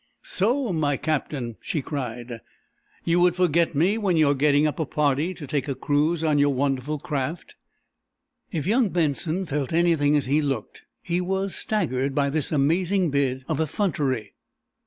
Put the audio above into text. "So, my Captain," she cried, "you would forget me when you are getting up a party to take a cruise on your wonderful craft?" If young Benson felt anything as he looked, he was staggered by this amazing bit of effrontery.